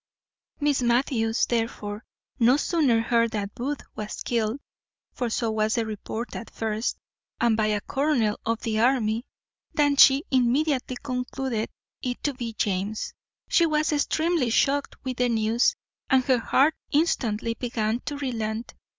Miss Matthews, therefore, no, sooner heard that Booth was killed (for so was the report at first, and by a colonel of the army) than she immediately concluded it to be James. She was extremely shocked with the news, and her heart instantly began to relent.